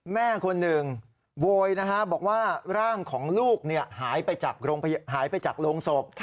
แม่คนหนึ่งโวยนะฮะบอกว่าร่างของลูกหายไปจากโรงศพ